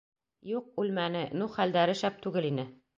— Юҡ, үлмәне, ну, хәлдәре шәп түгел... ине.